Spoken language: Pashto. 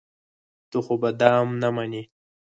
ته خو به دام نه منې.